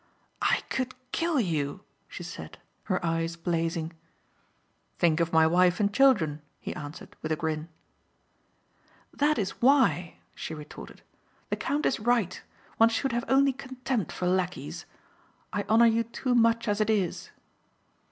"I could kill you," she said, her eyes blazing. "Think of my wife and children," he answered with a grin. "That is why," she retorted. "The count is right. One should have only contempt for lackeys. I honor you too much as it is."